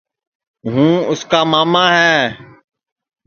ہوں اُس کا ماما ہے